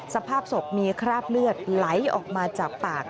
สภาพศพมีคราบเลือดไหลออกมาจากปาก